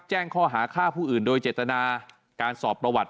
แจ้งข้อหาฆ่าผู้อื่นโดยเจตนาการสอบประวัติ